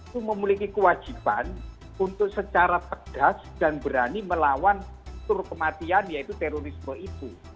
terwajiban untuk secara pedas dan berani melawan tur kematian yaitu terorisme itu